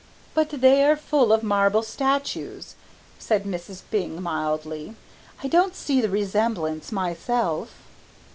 "But they are full of marble statues," said Mrs. Byng mildly; "I don't see the resemblance myself."